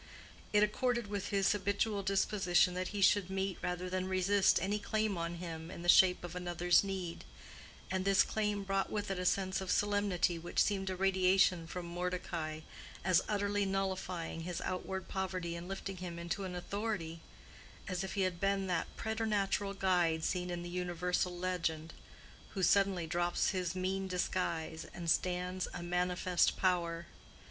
It accorded with his habitual disposition that he should meet rather than resist any claim on him in the shape of another's need; and this claim brought with it a sense of solemnity which seemed a radiation from Mordecai, as utterly nullifying his outward poverty and lifting him into authority as if he had been that preternatural guide seen in the universal legend, who suddenly drops his mean disguise and stands a manifest Power.